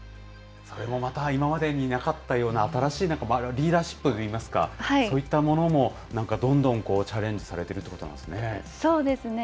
それもまた今までになかったような、新しいリーダーシップといいますか、そういったものも、なんか、どんどんチャレンジされそうですね。